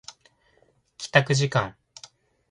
帰宅時間